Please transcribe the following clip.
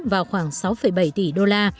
vào khoảng sáu bảy tỷ đô la